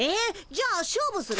じゃあ勝負する？